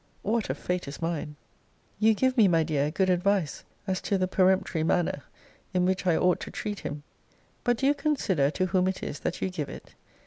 ] What a fate is mine! You give me, my dear, good advice, as to the peremptory manner in which I ought to treat him: But do you consider to whom it is that you give it?